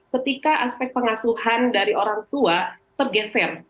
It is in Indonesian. ketika aspek pengasuhan dari orang tua tergeser